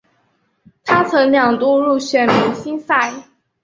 他曾两度入选明星赛。